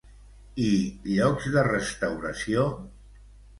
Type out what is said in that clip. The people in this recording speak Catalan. I llocs de restauració?